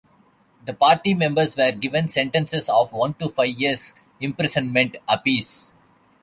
The party members were given sentences of one to five years' imprisonment apiece.